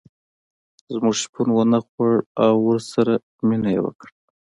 زمري شپون ونه خوړ او ورسره مینه یې وکړه.